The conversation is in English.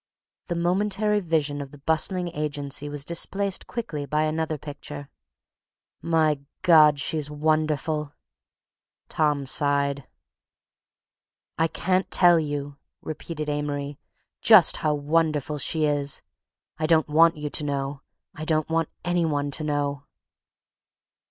The momentary vision of the bustling agency was displaced quickly by another picture. "My God! She's wonderful!" Tom sighed. "I can't tell you," repeated Amory, "just how wonderful she is. I don't want you to know. I don't want any one to know."